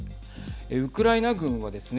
ウクライナ軍はですね